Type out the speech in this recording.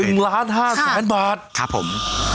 โอ้โหตก๑๕ล้านบาทครับผม